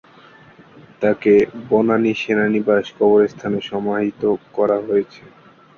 তাকে বনানী সেনানিবাস কবরস্থানে সমাহিত করা হয়েছে।